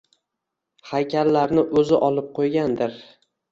Haykallarni o’zi olib qo’ygandir.